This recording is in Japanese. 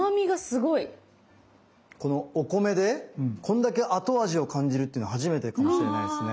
お米でこんだけ後味を感じるってのは初めてかもしれないですね。